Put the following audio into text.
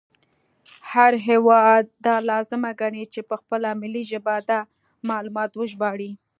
هر هیواد دا لازمه ګڼي چې په خپله ملي ژبه دا معلومات وژباړي